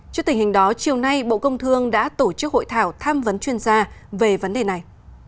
trước tình hình đó chiều nay bộ công thương đã tổ chức hội thảo tham vấn chuyên gia về vấn đề này